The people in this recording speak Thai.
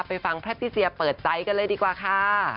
ไปฟังแพทติเซียเปิดใจกันเลยดีกว่าค่ะ